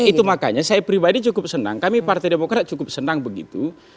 itu makanya saya pribadi cukup senang kami partai demokrat cukup senang begitu